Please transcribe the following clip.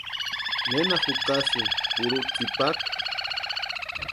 ¿Nena jukasïnki purhu tsïpata?